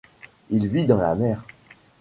Il vit dans la mer.